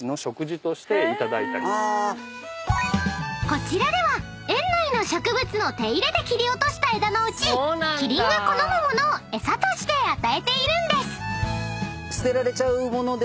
［こちらでは園内の植物の手入れで切り落とした枝のうちキリンが好む物を餌として与えているんです］